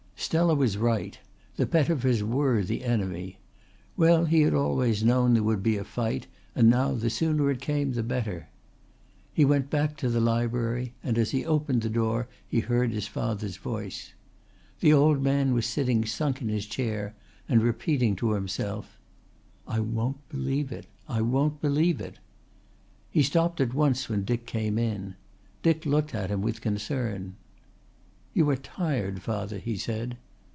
Stella was right. The Pettifers were the enemy. Well, he had always known there would be a fight, and now the sooner it came the better. He went back to the library and as he opened the door he heard his father's voice. The old man was sitting sunk in his chair and repeating to himself: "I won't believe it. I won't believe it." He stopped at once when Dick came in. Dick looked at him with concern. "You are tired, father," he said.